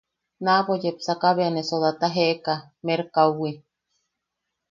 Naabo yepsaka bea ne sodata jeʼeka merkaowi.